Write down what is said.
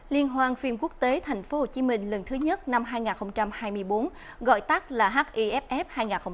liên hoan phim quốc tế thành phố hồ chí minh lần thứ nhất năm hai nghìn hai mươi bốn gọi tắt là hiff hai nghìn hai mươi bốn